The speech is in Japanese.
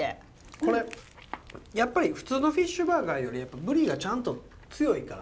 これやっぱり普通のフィッシュバーガーよりぶりがちゃんと強いから。